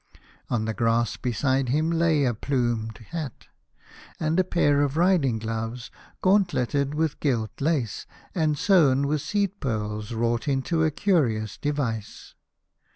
On the grass beside him lay a plumed hat, and a pair of riding gloves gauntleted with gilt lace, and sewn with seed pearls wrought into a curious device.